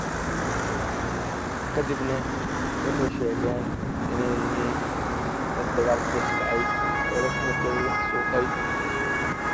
They stay in office for a duration of four years.